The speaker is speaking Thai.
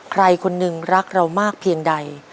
ใครคนหนึ่งรักเรามากเพียงใด